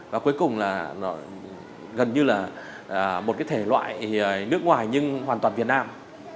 và cuối cùng là nó gần như là một cái thể loại nước ngoài nhưng hoàn toàn việt nam